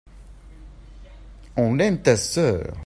on aime ta sœur.